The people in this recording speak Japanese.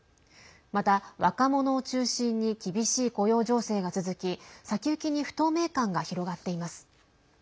また、若者を中心に厳しい雇用情勢が続き先行きに不透明感が広がっています。